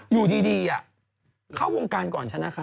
อยู่ดีเข้าวงการก่อนฉันนะคะ